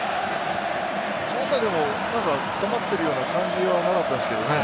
そんな止まっているような感じはなかったですけどね。